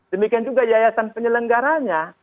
demikian juga yayasan penyelenggaranya